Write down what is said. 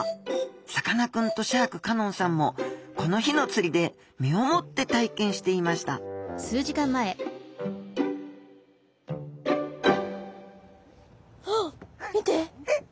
さかなクンとシャーク香音さんもこの日の釣りで身をもって体験していましたえっ。